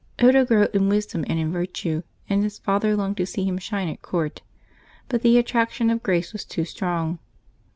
Odo grew in wisdom and in virtue, and his father longed to see him shine at court. But the attrac tion of grace was too strong.